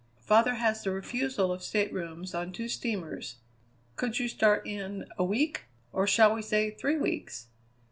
"Father has the refusal of staterooms on two steamers. Could you start in a week? Or shall we say three weeks?"